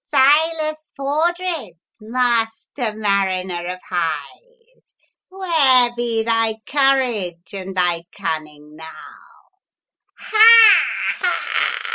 V Silas Fordred, master mariner of Hythe, where be thy courage and thy cunning now? Ha! ha!"